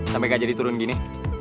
sampai gak jadi turun gini